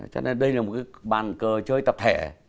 cho nên đây là một cái bàn cờ chơi tập thể